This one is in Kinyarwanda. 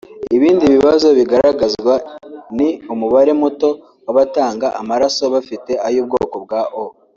Ibindi bibazo bigaragazwa ni umubare muto wabatanga amaraso bafite ay’ubwoko bwa O